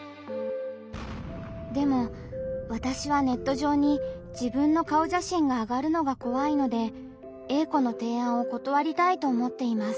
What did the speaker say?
でもわたしはネット上に自分の顔写真があがるのが怖いのでＡ子の提案を断りたいと思っています。